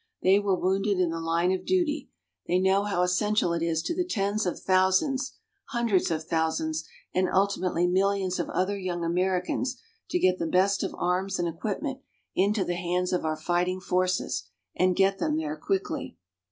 They were wounded in the line of duty. They know how essential it is to the tens of thousands hundreds of thousands and ultimately millions of other young Americans to get the best of arms and equipment into the hands of our fighting forces and get them there quickly.